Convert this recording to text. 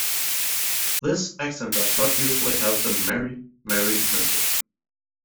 This accent does not usually have the "marry"-"merry" merger.